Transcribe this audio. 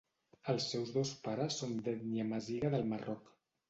Els seus dos pares són d'ètnia amaziga del Marroc.